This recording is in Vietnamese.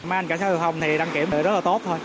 máy anh cảnh sát giao thông thì đăng kiểm rất là tốt thôi